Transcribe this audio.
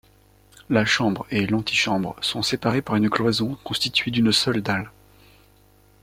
La chambre et l'antichambre sont séparées par une cloison constituée d'une seule dalle.